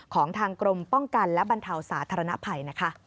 ของทางกรมป้องกันและบรรเทาสาธารณภัยนะคะ